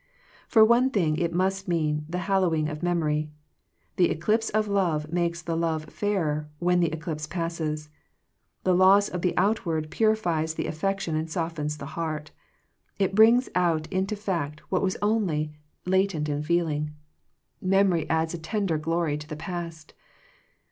For one thing it must mean the hallow ing of memory. The eclipse of love makes the love fairer when the eclipse passes. The loss of the outward purifies the affection and softens the heart It brings out into fact what was often only 132 Digitized by VjOOQIC THE ECLIPSE OF FRIENDSHIP latent in feeling. Memory adds a tender glory to the past.